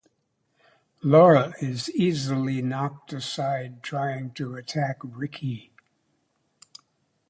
Laura is easily knocked aside trying to attack Ricky.